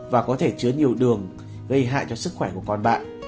và có thể chứa nhiều đường gây hại cho sức khỏe của con bạn